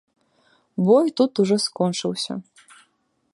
Бой тут ужо скончыўся.